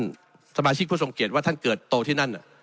วิญญาณของท่านสมาชิกผู้สงเกตว่าท่านเกิดโตที่นั่น